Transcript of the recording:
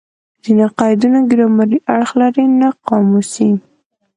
ځیني قیدونه ګرامري اړخ لري؛ نه قاموسي.